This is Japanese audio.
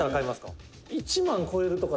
水田：「１万超えるとか」